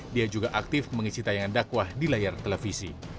dia juga aktif mengisi tayangan dakwah di layar televisi